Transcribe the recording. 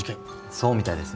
そうみたいですね。